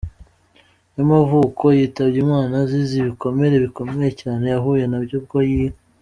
yamavuko, yitabye Imana azize ibikomere bikomeye cyane yahuye nabyo ubwo iyi.